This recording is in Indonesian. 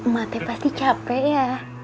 mak teh pasti capek ya